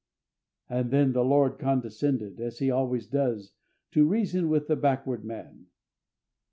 And then the Lord condescended, as He always does, to reason with the backward man.